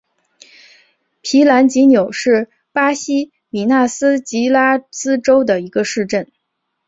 皮兰吉纽是巴西米纳斯吉拉斯州的一个市镇。